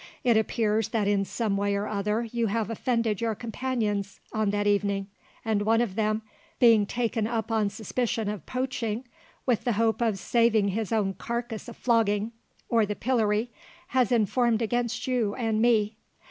It appears that in some way or other you have offended your companions on that evening, and one of them being taken up on suspicion of poaching with the hope of saving his own carcass a flogging, or the pillory, has informed against you and me.